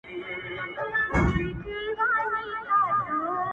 o هغې په نيمه شپه ډېـــــوې بلــــي كړې،